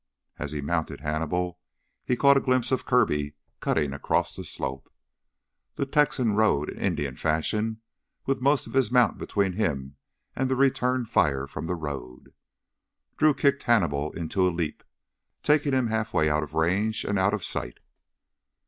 As he mounted Hannibal he caught a glimpse of Kirby cutting across the slope. The Texan rode Indian fashion with most of his mount between him and the return fire from the road. Drew kicked Hannibal into a leap, taking him half way out of range and out of sight.